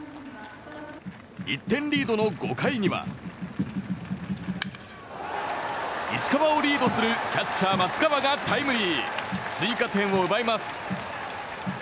１点リードの５回には石川をリードするキャッチャー松川がタイムリー追加点を奪います。